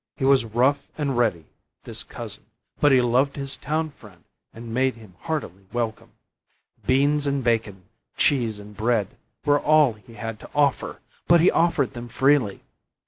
He was rough and ready, this cousin, but he loved his town friend and made him heartily welcome. Beans and bacon, cheese and bread, were all he had to offer, but he offered them freely.